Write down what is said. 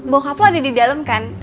bokap lo ada di dalam kan